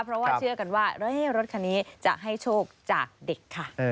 เพราะว่าเชื่อกันว่ารถคันนี้จะให้โชคจากเด็กค่ะ